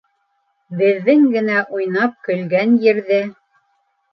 Беҙҙең генә уйнап, көлгән ерҙә